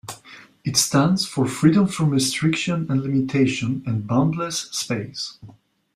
It stands for freedom from restriction and limitation, and boundless space.